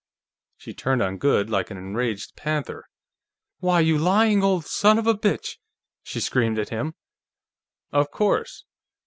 She turned on Goode like an enraged panther. "Why, you lying old son of a bitch!" she screamed at him. "Of course.